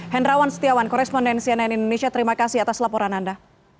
hendrawan setiawan korespondensi ann indonesia terima kasih atas laporan anda